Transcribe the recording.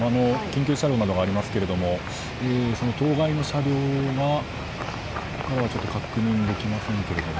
緊急車両などがありますがその当該の車両が、ここからは確認できませんけれども。